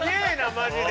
マジで！